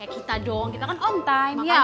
kayak kita dong kita kan on time ya